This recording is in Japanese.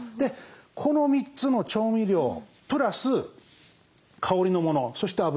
この３つの調味料プラス香りのものそして油